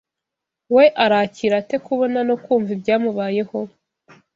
we arakira ate kubona no kumva ibyamubayeho?